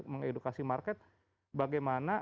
mengedukasi market bagaimana